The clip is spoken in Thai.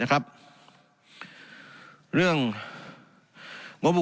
การปรับปรุงทางพื้นฐานสนามบิน